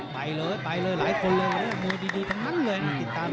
ไปเลยไปเลยหลายคนเลยมวยดีทั้งนั้นเลยนะติดตาม